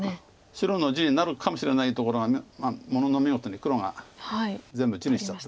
白の地になるかもしれないところがものの見事に黒が全部地にしちゃって。